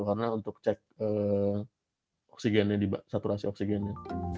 karena untuk cek oksigennya saturasi oksigennya